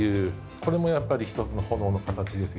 これもやっぱり１つの炎の形ですよね。